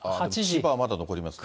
千葉はまだ残りますね。